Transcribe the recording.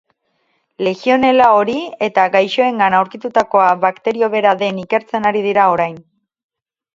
Legionella hori eta gaixoengan aurkitutakoa bakterio bera den ikertzen ari dira orain.